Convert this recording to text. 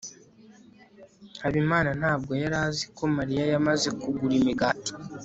habimana ntabwo yari azi ko mariya yamaze kugura imigati